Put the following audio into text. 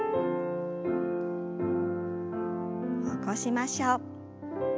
起こしましょう。